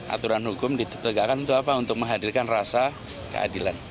aturan hukum ditegakkan untuk apa untuk menghadirkan rasa keadilan